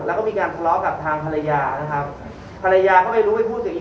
แล้วก็มีการทะเลาะกับทางภรรยานะครับภรรยาก็ไม่รู้ไปพูดกับอีก